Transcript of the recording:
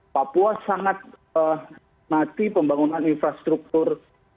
papua sangat mati pembangunan infrastruktur